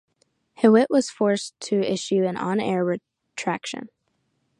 Hewitt was forced to issue an on-air retraction.